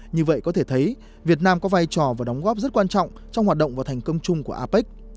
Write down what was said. như vậy có thể thấy việt nam có vai trò và đóng góp rất quan trọng trong hoạt động và thành công chung của apec